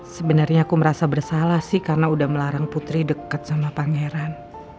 sebenarnya aku merasa bersalah sih karena udah melarang putri dekat sama pangeran